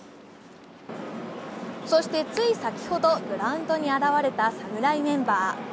そして、つい先ほどグラウンドに現れた侍メンバー。